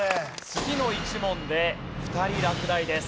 次の１問で２人落第です。